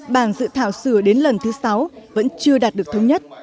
bảng dự thảo sửa đến lần thứ sáu vẫn chưa đạt được thống nhất